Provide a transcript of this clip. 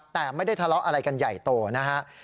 แต่ไม่ได้ทะเลาะอะไรกันใหญ่โตนะฮะ